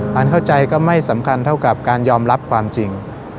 เข้าใจก็ไม่สำคัญเท่ากับการยอมรับความจริง